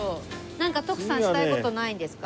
なんか徳さんしたい事ないんですか？